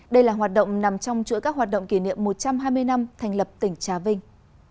đây là hoạt động nằm trong chuỗi các hoạt động kỷ niệm một trăm hai mươi năm thành lập tỉnh trà vinh